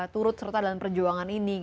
turut serta dalam perjuangan ini